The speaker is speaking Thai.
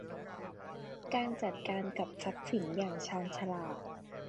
การจัดการกับทรัพย์สินอย่างชาญฉลาด